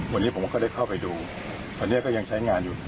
วันนี้ผมก็ได้เข้าไปดูตอนนี้ก็ยังใช้งานอยู่